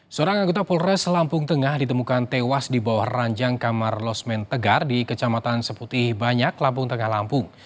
seorang anggota polres lampung tengah ditemukan tewas di bawah ranjang kamar losmen tegar di kecamatan seputih banyak lampung tengah lampung